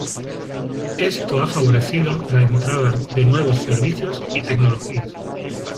Esto ha favorecido la entrada de nuevos servicios y tecnologías.